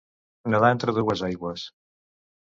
Nedar entre dues aigües.